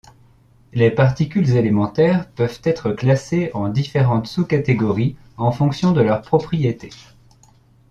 Les particules élémentaires peuvent être classées en différentes sous-catégories en fonction de leurs propriétés.